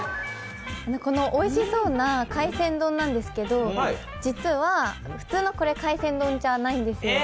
このおいしそうな海鮮丼なんですけど、実は普通の海鮮丼じゃないんです。